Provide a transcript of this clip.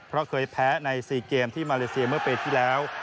เพราะเคยแพ้ใน๔เกมที่มาเลเซียเมื่อปีที่แล้ว